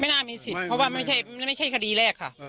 น่ามีสิทธิ์เพราะว่าไม่ใช่คดีแรกค่ะ